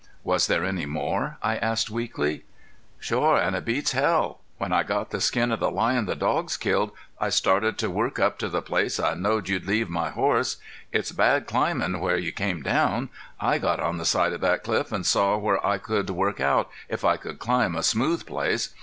"Was there any more?" I asked weakly. "Shore! An' it beats hell! When I got the skin of the lion the dogs killed I started to work up to the place I knowed you'd leave my horse. It's bad climbing where you came down. I got on the side of that cliff an' saw where I could work out, if I could climb a smooth place.